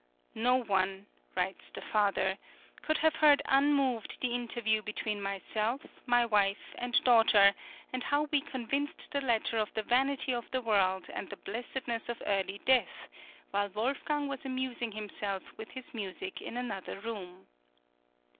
"No one," writes the father, "could have heard unmoved the interview between myself, my wife, and daughter, and how we convinced the latter of the vanity of the world and the blessedness of early death, while Wolfgang was amusing himself with his music in another room."